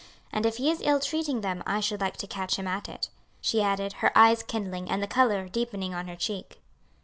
And if he is ill treating them I should like to catch him at it," she added, her eyes kindling, and the color deepening on her cheek.